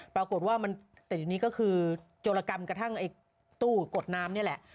ปรากฏว่ามันติดอยู่นี้ก็คือโจรกรรมกระทั่งไอ้ตู้กดน้ำนี่แหละ